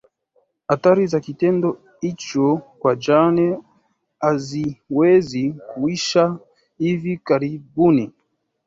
Athari za kitendo hicho kwa Jane haziwezi kuisha hivi karibuni